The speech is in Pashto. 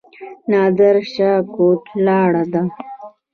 نادر شاه کوټ لاره ده؟